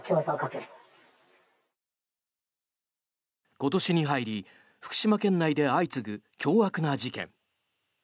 今年に入り福島県内で相次ぐ凶悪な事件。